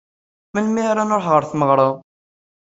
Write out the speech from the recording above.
Melmi ara nruḥ ɣer tmeɣra?